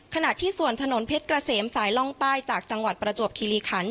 ขณะที่ส่วนถนนเพชรเกษมสายล่องใต้จากจังหวัดประจวบคิริขัน